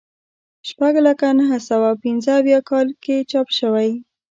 شپږ لکه نهه سوه پنځه اویا کال کې چاپ شوی.